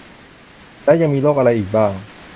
แล้วยังมีโรคอะไรอีกบ้าง